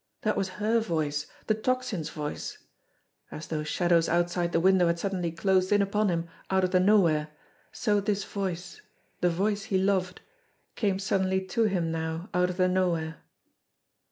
That was her voice, the Tocsin's voice. As those shadows outside the window had suddenly closed in upon him out of the nowhere, so this voice, the voice he loved, came suddenly to him now out of the nowhere.